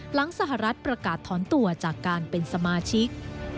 หลังสหรัฐประกาศถอนตัวจากการเป็นสมาชิก